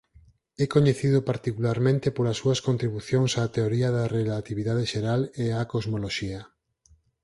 É coñecido particularmente polas súas contribucións á teoría da relatividade xeral e á cosmoloxía.